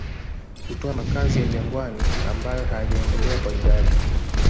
Hutoa makazi ya jangwani ambayo hayajaendelea kwa idadi